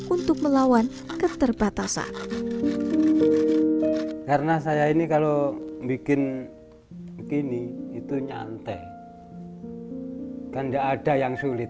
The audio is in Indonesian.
untuk melawan keterbatasan karena saya ini kalau bikin begini itu nyantai dan ada yang sulit